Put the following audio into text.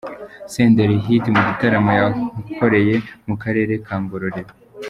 Senderi Hit mu gitaramo yakoreye mu karere ka Ngororero.